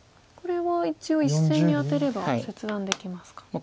これは一応１線にアテれば切断できますか。